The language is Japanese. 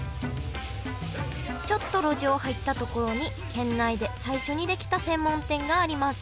ちょっと路地を入った所に県内で最初に出来た専門店があります